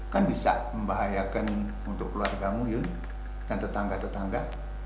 kan bisa membahayakan untuk keluargamu yun dan tetangga tetangga